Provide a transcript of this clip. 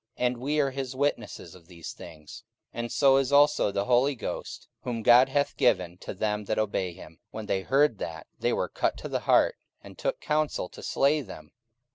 44:005:032 And we are his witnesses of these things; and so is also the Holy Ghost, whom God hath given to them that obey him. 44:005:033 When they heard that, they were cut to the heart, and took counsel to slay them.